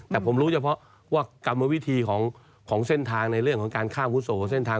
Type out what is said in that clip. แต่ผมรู้เฉพาะว่ากรรมวิธีของเส้นทางในเรื่องของการข้ามอาวุโสเส้นทาง